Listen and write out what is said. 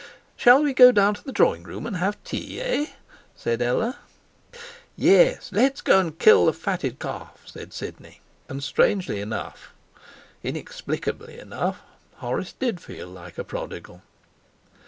'Shall we go down to the drawing room and have tea, eh?' said Ella. 'Yes, let's go and kill the fatted calf,' said Sidney. And strangely enough, inexplicably enough, Horace did feel like a prodigal.